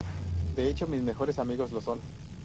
De hecho, mis mejores amigos lo son